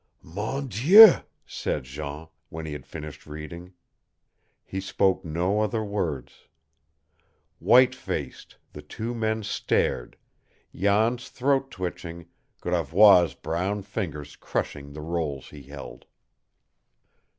"Mon Dieu!" said Jean, when he had finished reading. He spoke no other words. White faced, the two men stared, Jan's throat twitching, Gravois' brown fingers crushing the rolls he held.